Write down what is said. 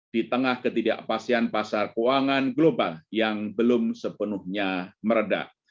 di tengah ketidakpastian pasar keuangan global yang belum sepenuhnya meredah